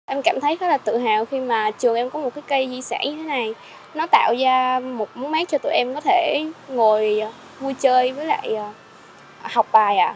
em cảm thấy rất là tự hào khi mà trường em có một cái cây di sản như thế này nó tạo ra một mức mát cho tụi em có thể ngồi vui chơi với lại học bài ạ